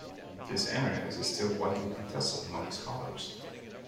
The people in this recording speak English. This area is still widely contested among scholars.